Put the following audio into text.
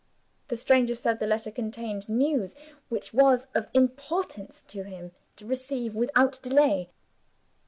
The stranger said the letter contained news, which it was of importance to him to receive without delay.